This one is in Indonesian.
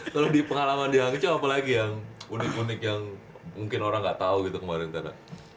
kalau di pengalaman di hangzhou apa lagi yang unik unik yang mungkin orang nggak tahu gitu kemarin tana